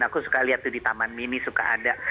aku suka lihat tuh di taman mini suka ada